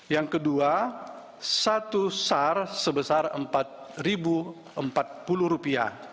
yang kedua satu sar sebesar rp empat empat puluh